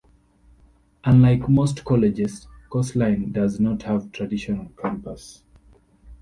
Unlike most colleges, Coastline does not have a traditional campus.